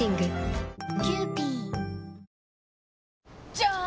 じゃーん！